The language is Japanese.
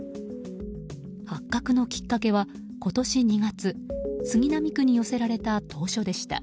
発覚のきっかけは今年２月杉並区に寄せられた投書でした。